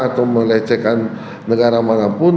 atau melecehkan negara manapun